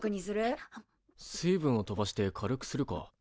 水分を飛ばして軽くするか。